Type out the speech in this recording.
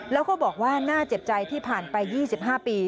แล้วก็บอกว่าน่าเจ็บใจที่ผ่านไป๒๕ปี